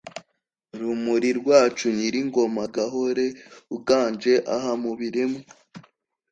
rumuri rwacu, nyir'ingoma, gahore uganje aha mu biremwa